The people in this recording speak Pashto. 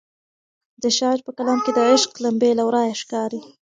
د شاعر په کلام کې د عشق لمبې له ورایه ښکاري.